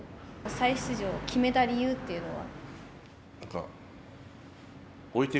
再出場を決めた理由というのは？